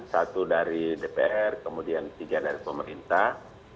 satu dari dpr kemudian tiga dari pemerintah